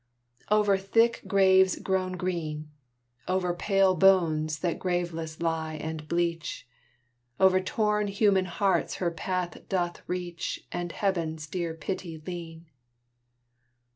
Over thick graves grown green, Over pale bones that graveless lie and bleach, Over torn human hearts her path doth reach, And Heaven's dear pity lean.